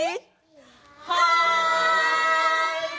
はい！